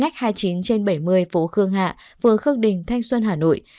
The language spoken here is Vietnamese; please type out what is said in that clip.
chín trên bảy mươi phố khương hạ phường khương đình thanh xuân hà nội